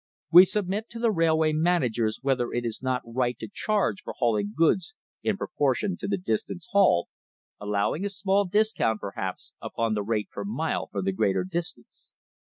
We submit to the railway managers whether it is not right to charge for hauling goods in proportion to the distance hauled, allowing a small discount, perhaps, upon the rate per mile for the greater distance.